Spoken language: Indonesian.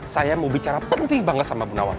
saya mau bicara penting banget sama ibu nawang